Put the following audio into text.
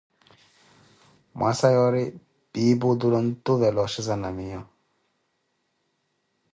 Mwaasa yoori piipi otule ontuvela oxheza na miyo.